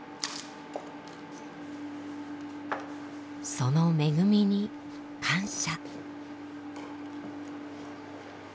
その恵みに感謝。